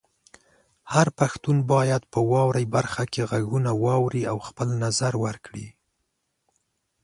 هر پښتون باید په "واورئ" برخه کې غږونه واوري او خپل نظر ورکړي.